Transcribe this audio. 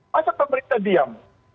masa pemerintah diam